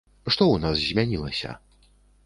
Што ў нас змянілася?